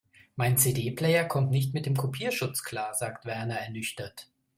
Mein CD-Player kommt nicht mit dem Kopierschutz klar, sagt Werner ernüchtert.